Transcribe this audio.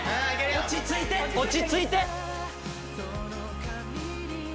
落ち着いて落ち着いて！